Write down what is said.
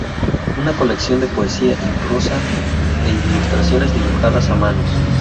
Una colección de poesía, prosa e ilustraciones dibujadas a mano.